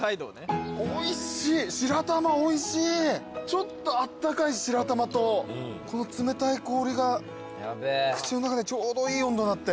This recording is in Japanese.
ちょっとあったかい白玉とこの冷たい氷が口の中でちょうどいい温度になって。